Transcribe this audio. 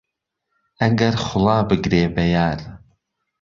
ئهگهر خوڵا بگرێ به یار